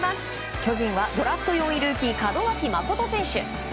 巨人は、ドラフト４位ルーキー門脇誠選手。